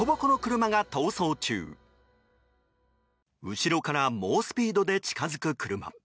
後ろから猛スピードで近づく車。